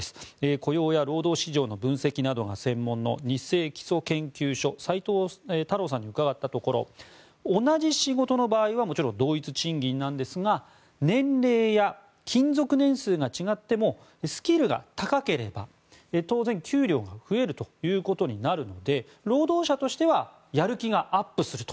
雇用や労働市場の分析などが専門のニッセイ基礎研究所斎藤太郎さんに伺ったところ同じ仕事の場合はもちろん同一賃金なんですが年齢や勤続年数が違ってもスキルが高ければ当然、給料が増えるということになるので労働者としてはやる気がアップすると。